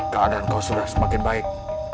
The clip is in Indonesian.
keadaan kau sudah semakin baik